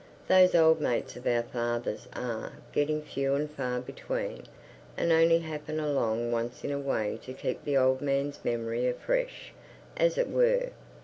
Those old mates of our father's are getting few and far between, and only happen along once in a way to keep the old man's memory fresh, as it were.